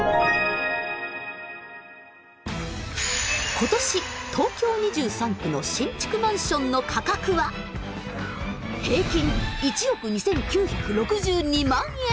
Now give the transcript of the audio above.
今年東京２３区の新築マンションの価格は平均１億２，９６２万円！